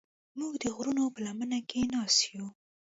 موږ د غرونو په لمنه کې ناست یو.